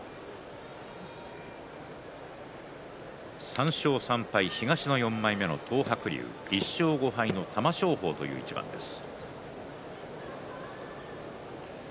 ３勝３敗、東の４枚目の東白龍１勝５敗の玉正鳳という一番です。